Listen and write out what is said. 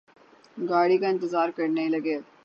گاڑی کا انتظار کرنے لگے